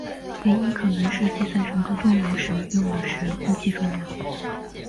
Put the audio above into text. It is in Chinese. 原因可能是计算乘客重量时用的是估计重量。